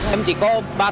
em chỉ có ba cốc bia thôi